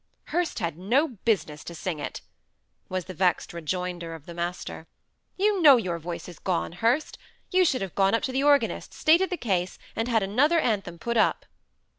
"Hurst had no business to sing it," was the vexed rejoinder of the master. "You know your voice is gone, Hurst. You should have gone up to the organist, stated the case, and had another anthem put up."